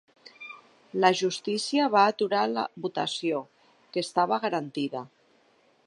La justícia va aturar la votació, que estava garantida.